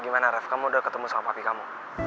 gimana ref kamu udah ketemu sama papi kamu